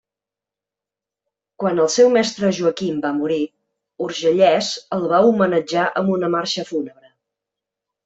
Quan el seu mestre Joaquim va morir, Urgellès el va homenatjar amb una marxa fúnebre.